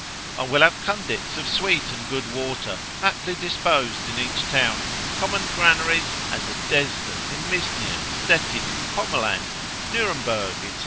I will have conduits of sweet and good water, aptly disposed in each town, common granaries, as at Dresden in Misnia, Stetein in Pomerland, Noremberg, &c.